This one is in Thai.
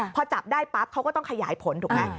พอจับได้ปั๊บเขาก็ต้องขยายผลถูกไหม